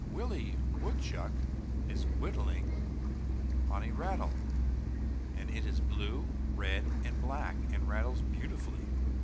"Willie Woodchuck is whittling on a rattle and it is blue, red and black and rattles beautifully."